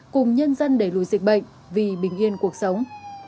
cùng nhân dân đẩy lùi dịch bệnh vì bình yên cuộc sống